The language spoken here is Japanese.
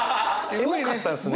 エモかったんすね！